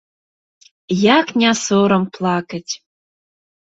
Як не сорам плакаць?